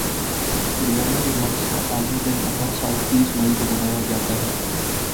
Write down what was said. شریانوں کے مرض کا عالمی دن ہر سال تیس مئی کو منایا جاتا ہے